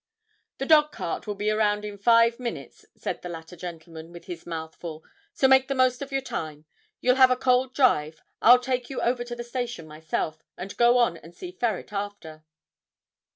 'The dog cart will be round in five minutes,' said the latter gentleman, with his mouth full; 'so make the most of your time. You'll have a cold drive. I'll take you over to the station myself, and go on and see Ferret after.'